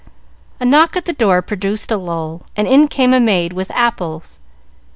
A knock at the door produced a lull, and in came a maid with apples.